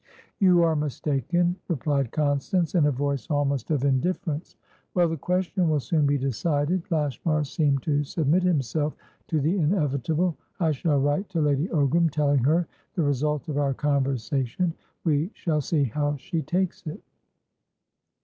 "You are mistaken," replied Constance, in a voice almost of indifference. "Well, the question will soon be decided." Lashmar seemed to submit himself to the inevitable. "I shall write to Lady Ogram, telling her the result of our conversation. We shall see how she takes it."